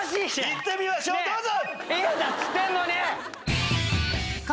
いってみましょうどうぞ！